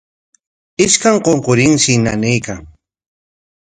Ishkan qunqurinshi nanaykan.